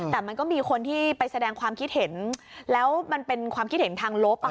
แต่มันก็มีคนที่ไปแสดงความคิดเห็นแล้วมันเป็นความคิดเห็นทางลบ